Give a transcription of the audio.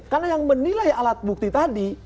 karena yang menilai alat bukti tadi